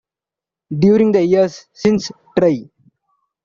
During the years since Try!